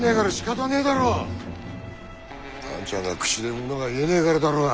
アンちゃんが口でものが言えねえからだろうが！